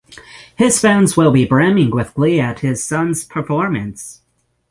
His fans will be brimming with glee at his son’s performance.